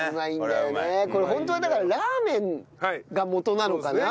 これホントはだからラーメンが元なのかな？